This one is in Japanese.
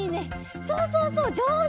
そうそうそうじょうず！